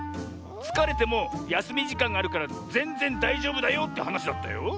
つかれてもやすみじかんがあるからぜんぜんだいじょうぶだよってはなしだったよ。